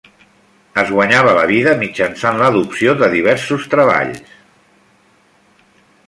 Es guanyava la vida mitjançant l'adopció de diversos treballs.